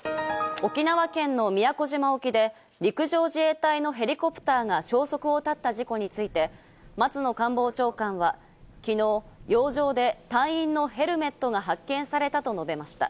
沖縄県の宮古島沖で陸上自衛隊のヘリコプターが消息を絶った事故について、松野官房長官は昨日、洋上で隊員のヘルメットが発見されたと述べました。